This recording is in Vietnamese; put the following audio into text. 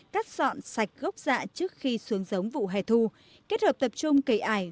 cắt dọn sạch gốc dạ trước khi xuống giống vụ hè thu kết hợp tập trung cây ải